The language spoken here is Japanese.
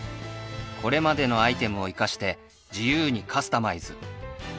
これまでのアイテムをいかして自由にカスタマイズ